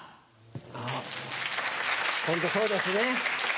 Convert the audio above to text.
あホントそうですね。